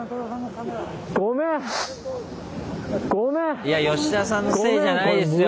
いやヨシダさんのせいじゃないですよ。